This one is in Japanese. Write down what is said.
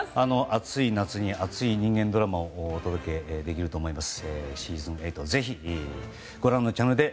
暑い夏に熱い人間ドラマをお届けできると思います。